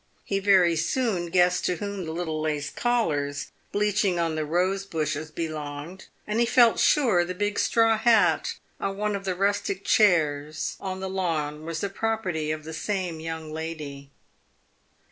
He very soon guessed to whom the little lace collars bleaching on the rose bushes belonged, and he felt sure the big straw hat on one of the rustic chairs on the lawn was the property of the same young lady.